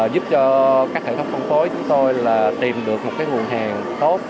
giúp cho các hệ thống thông phố của chúng tôi là tìm được một cái nguồn hàng tốt